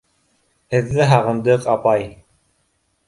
— Һеҙҙе һағындыҡ, апай!